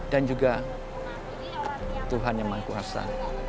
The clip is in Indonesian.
dan juga tuhan yang maha kuasa